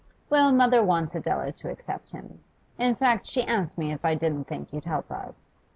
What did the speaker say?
Well, mother wants Adela to accept him. In fact, she asked me if I didn't think you'd help us.